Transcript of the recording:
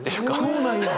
そうなんや！